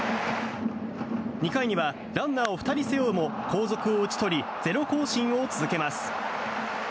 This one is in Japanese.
２回にはランナーを２人背負うも後続を打ち取りゼロ行進を続けます。